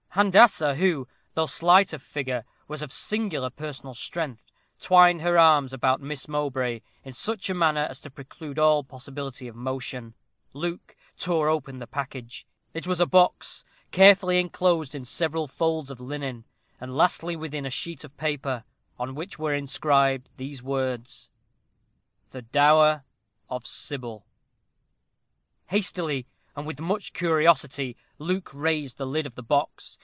Handassah, who, though slight of figure, was of singular personal strength, twined her arms about Miss Mowbray in such a manner as to preclude all possibility of motion. Luke tore open the package. It was a box carefully enclosed in several folds of linen, and lastly within a sheet of paper, on which were inscribed these words: THE DOWER OF SYBIL Hastily, and with much curiosity, Luke raised the lid of the box.